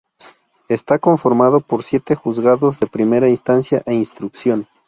Está conformado por siete juzgados de primera instancia e instrucción.